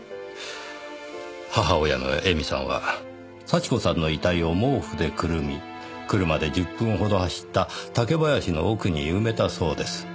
母親の絵美さんは幸子さんの遺体を毛布でくるみ車で１０分ほど走った竹林の奥に埋めたそうです。